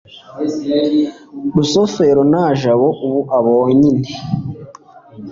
rusufero na jabo ubu bonyine